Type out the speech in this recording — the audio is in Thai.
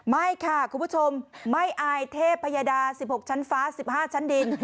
ไม่ค่ะคุณผู้ชมไม่อายเทพยดา๑๖ชั้นฟ้า๑๕ชั้นดิน